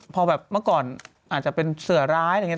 พอแบบเมื่อก่อนอาจจะเป็นเสือร้ายอะไรอย่างนี้